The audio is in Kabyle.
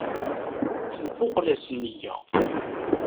Tenquqla-s nniya.